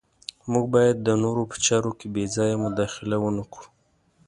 موږ باید د نورو په چارو کې بې ځایه مداخله ونه کړو.